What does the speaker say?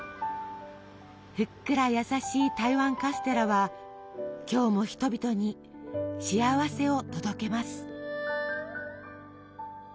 ふっくら優しい台湾カステラは今日も人々に幸せを届けます。